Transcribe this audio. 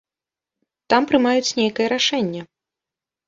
Там прымаюць нейкае рашэнне.